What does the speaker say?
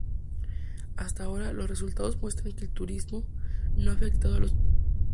Hasta ahora, los resultados muestran que el turismo no ha afectado a los pingüinos.